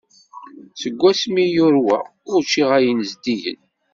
Seg wasmi i yurweɣ, ur ččiɣ ayen zeddigen.